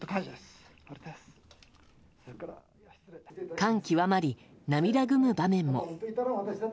感極まり、涙ぐむ場面も。